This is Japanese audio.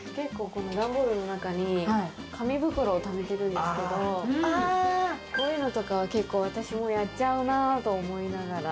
段ボールの中に紙袋をためてるんですけど、こういうのとかは結構私もやっちゃうなぁと思いながら。